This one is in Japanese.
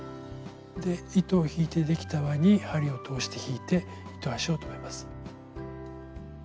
で糸を引いてできた輪に針を通して引いて糸端を留めます。